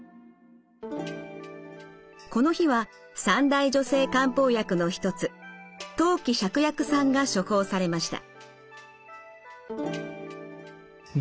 この日は三大女性漢方薬の一つ当帰芍薬散が処方されました。